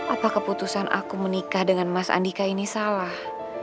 apa keputusan aku menikah dengan mas andika ini salah